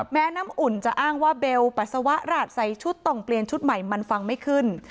น้ำอุ่นจะอ้างว่าเบลปัสสาวะราชใส่ชุดต้องเปลี่ยนชุดใหม่มันฟังไม่ขึ้น